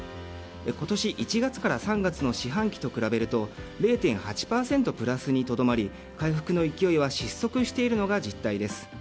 今年１月から３月の四半期と比べると０．８％にとどまり回復の勢いは失速しているのが実態です。